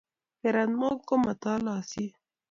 kerat mok komo tolosiet